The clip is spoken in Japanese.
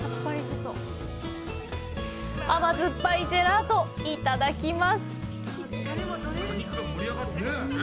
甘酸っぱいジェラート、いただきます！